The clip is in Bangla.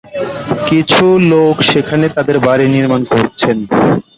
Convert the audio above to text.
কিছু লোক সেখানে তাদের বাড়ি নির্মাণ করছেন।